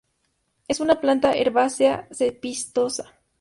Es una planta herbácea cespitosa.